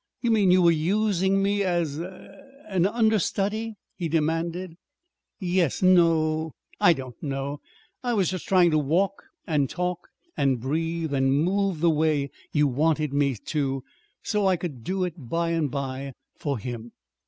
"You mean you were using me as an er understudy?" he demanded. "Yes no I don't know. I was just trying to walk and talk and breathe and move the way you wanted me to, so I could do it by and by for him."